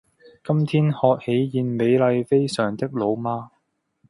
今天喝喜宴美麗非常的老媽